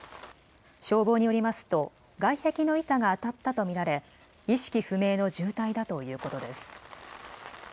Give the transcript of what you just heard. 消防によりますと、外壁の板が当たったと見られ、意識不明の重体だということです。